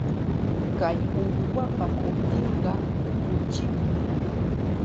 Kay uywapa hutinqa kuchimi.